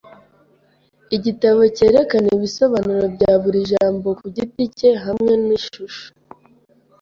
Igitabo cyerekana ibisobanuro bya buri jambo kugiti cye hamwe nishusho.